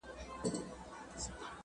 لمرینو وړانګو ته به نه ځلیږي.